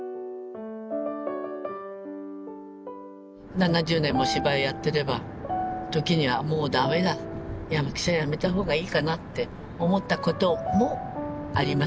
７０年も芝居やってれば時にはもうダメだ役者やめたほうがいいかなって思ったこともありますよね。